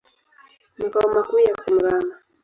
Makao makuu yako Murang'a.